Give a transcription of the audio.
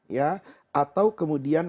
ya atau kemudian